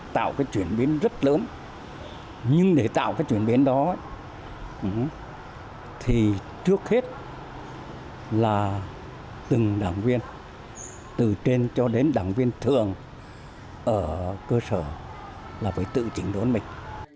tạo cái chuyển biến rất lớn nhưng để tạo cái chuyển biến đó thì trước hết là từng đảng viên từ trên cho đến đảng viên thường ở cơ sở là phải tự chỉnh đốn mình